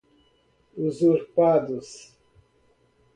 usurpados